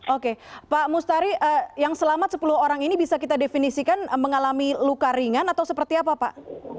oke pak mustari yang selamat sepuluh orang ini bisa kita definisikan mengalami luka ringan atau seperti apa pak